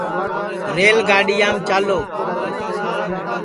ریل گاڈِؔیام چالو